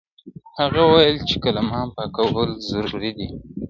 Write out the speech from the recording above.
هغه وويل چي قلمان پاکول ضروري دي!